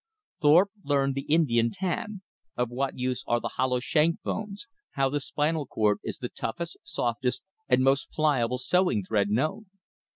Thorpe learned the Indian tan; of what use are the hollow shank bones; how the spinal cord is the toughest, softest, and most pliable sewing thread known.